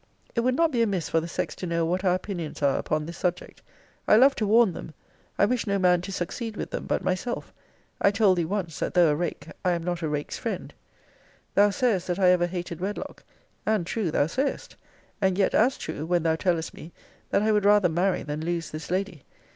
It would not be amiss for the sex to know what our opinions are upon this subject. I love to warn them. I wish no man to succeed with them but myself. I told thee once, that though a rake, I am not a rake's friend.* * See Vol. III. Letter XVIII. Thou sayest, that I ever hated wedlock. And true thou sayest. And yet as true, when thou tellest me, that I would rather marry than lose this lady.